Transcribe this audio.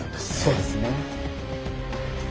そうですね。